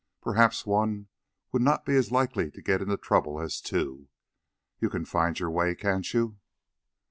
Perhaps one would not be as likely to get into trouble as two. You can find your way, can't you?"